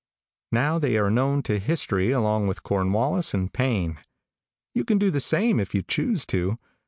Now they are known to history along with Cornwallis and Payne. You can do the same if you choose to.